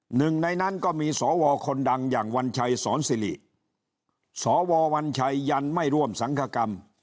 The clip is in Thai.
หนึ่งในนั้นก็มีสวคนดังอย่างวัญชัยสอนสิริสววัญชัยยันไม่ร่วมสังคกรรม